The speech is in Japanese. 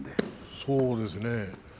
そうですね。